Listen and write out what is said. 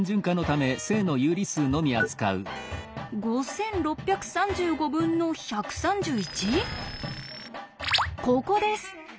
５６３５分の１３１？ココです！